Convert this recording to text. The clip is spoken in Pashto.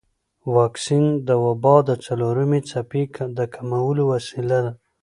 واکسن د وبا د څلورمې څپې د کمولو وسیله ده.